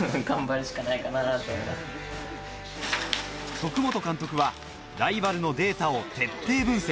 徳本監督はライバルのデータを徹底分析。